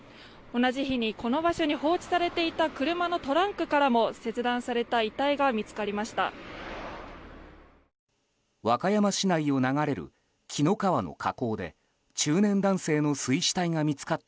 同じ日にこの場所に放置されていた車のトランクからも切断された遺体が見つかりました。